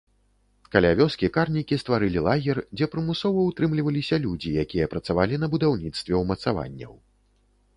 Каля вёскі карнікі стварылі лагер, дзе прымусова ўтрымліваліся людзі, якія працавалі на будаўніцтве ўмацаванняў.